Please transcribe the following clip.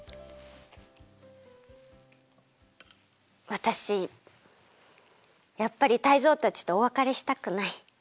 わたしやっぱりタイゾウたちとおわかれしたくない。